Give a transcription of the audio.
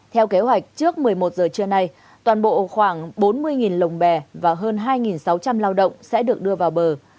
theo kế hoạch trước một mươi một giờ trưa nay toàn bộ khoảng bốn mươi lồng bè và hơn hai sáu trăm linh lao động sẽ được đưa vào bờ